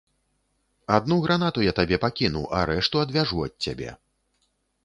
Адну гранату я табе пакіну, а рэшту адвяжу ад цябе.